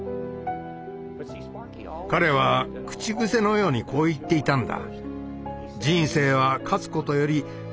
彼は口癖のようにこう言っていたんだ。